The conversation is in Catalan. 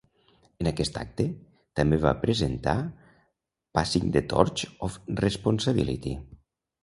En aquest acte, també va presentar "Passing the Torch of Responsability".